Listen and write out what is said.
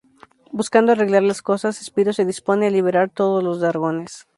Buscando arreglar las cosas, Spyro se dispone a liberar a todos los dragones.